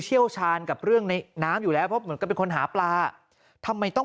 เชี่ยวชาญกับเรื่องในน้ำอยู่แล้วเพราะเหมือนกับเป็นคนหาปลาทำไมต้อง